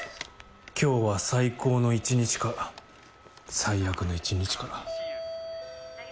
今日は最高の一日か最悪の一日か。